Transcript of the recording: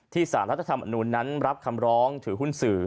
สารรัฐธรรมนุนนั้นรับคำร้องถือหุ้นสื่อ